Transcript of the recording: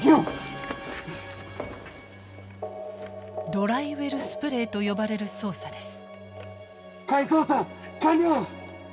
ドライウェルスプレイと呼ばれる操作です。